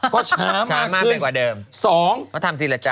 ก็ช้ามากขึ้น๒